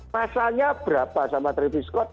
masanya berapa sama travis scott